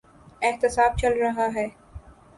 احتساب چل رہا ہے۔